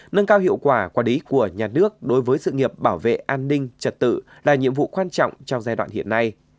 nâng cao hiệu quả quản lý của nhà nước đối với sự nghiệp bảo vệ an ninh trật tự là nhiệm vụ quan trọng trong giai đoạn hiện nay